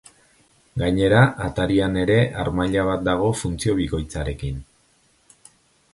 Gainera, atarian ere harmaila bat dago funtzio bikoitzarekin.